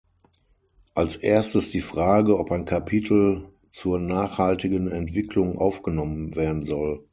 Als erstes die Frage, ob ein Kapitel zur nachhaltigen Entwicklung aufgenommen werden soll.